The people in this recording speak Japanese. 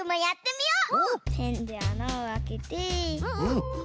ペンであなをあけて。